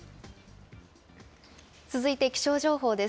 続いて気象情報です。